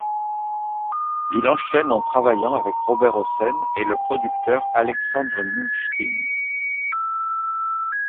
Il enchaîne en travaillant avec Robert Hossein et le producteur Alexandre Mnouchkine.